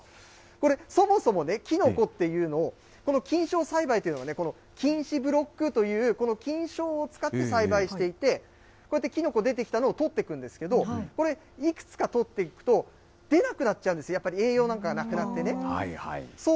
これ、そもそもね、きのこっていうのを、この菌床栽培というのは、きんしブロックという、この菌床を使って栽培していて、こうやってきのこ出てきたのをとっていくんですけど、これ、いくつかとっていくと、出なくなっちゃうんです、やっぱり栄養なんかがなくなってね。